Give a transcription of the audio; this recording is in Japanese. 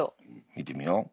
見てみよう。